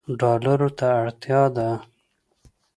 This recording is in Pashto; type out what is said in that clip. ډالرو ته اړتیا ده